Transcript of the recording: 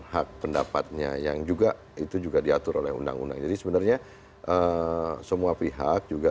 hak pendapatnya yang juga itu juga diatur oleh undang undang jadi sebenarnya semua pihak juga